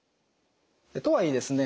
とはいえですね